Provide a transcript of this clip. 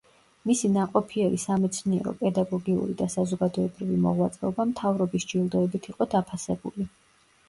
მისი ნაყოფიერი სამეცნიერო, პედაგოგიური და საზოგადოებრივი მოღვაწეობა მთავრობის ჯილდოებით იყო დაფასებული.